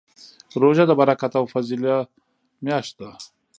روژه د برکت او فضیله میاشت ده